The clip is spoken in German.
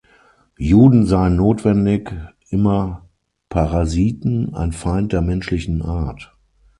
Juden seien notwendig immer Parasiten, ein „Feind der menschlichen Art“.